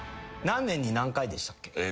何年に何回でしたっけ？